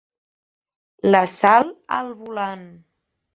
La Sal al volant.